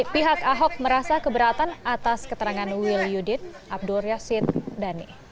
pihak ahok merasa keberatan atas keterangan wil yudin abdul yasin dhani